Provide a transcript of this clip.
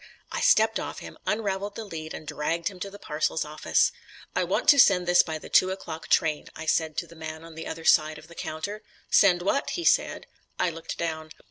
I stepped off him, unravelled the lead and dragged him to the Parcels Office. "I want to send this by the two o'clock train," I said to the man the other side of the counter. "Send what?" he said. I looked down.